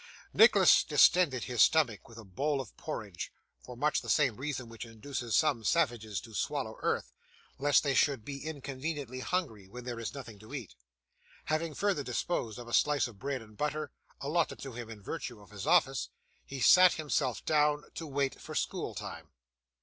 Nicholas distended his stomach with a bowl of porridge, for much the same reason which induces some savages to swallow earth lest they should be inconveniently hungry when there is nothing to eat. Having further disposed of a slice of bread and butter, allotted to him in virtue of his office, he sat himself down, to wait for school time.